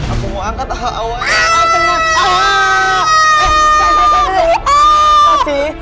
aku mau angkat awalnya